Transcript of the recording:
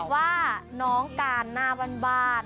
พี่เบิร์ดบอกว่าน้องการหน้าบานนั่น